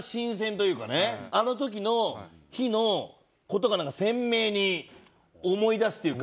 あの時の日の事がなんか鮮明に思い出すっていうか。